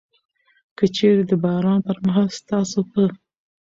که چيري د باران پر مهال ستاسو په